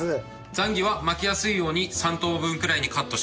ザンギは巻きやすいように３等分くらいにカットします。